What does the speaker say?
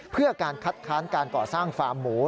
เพื่อการคัดค้านการก่อสร้างฟาร์มหมู